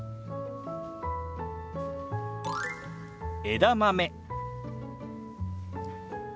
「枝豆」。